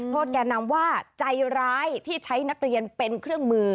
แก่นำว่าใจร้ายที่ใช้นักเรียนเป็นเครื่องมือ